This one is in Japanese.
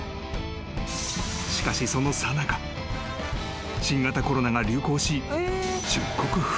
［しかしそのさなか新型コロナが流行し］